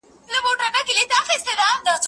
فکر د زده کوونکي له خوا کيږي